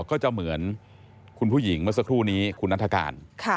ก็จะเหมือนคุณผู้หญิงเมื่อสักครู่นี้คุณนัฐกาล